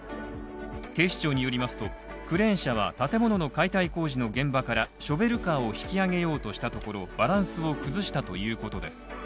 警視庁によりますと、クレーン車は、建物の解体工事の現場からショベルカーを引き上げようとしたところバランスを崩したということです。